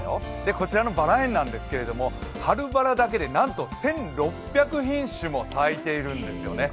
こちらのバラ園なんですが春バラだけでなんと１６００品種も咲いているんですよね。